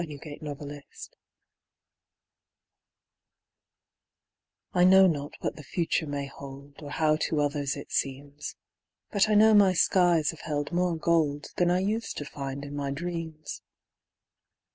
WORTH LIVING I know not what the future may hold, Or how to others it seems, But I know my skies have held more gold Than I used to find in my dreams.